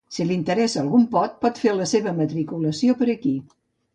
Si li interessa algun pot fer la seva matriculació per aquí.